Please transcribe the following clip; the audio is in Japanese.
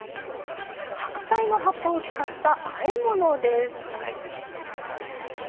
白菜の葉っぱを使ったあえ物です。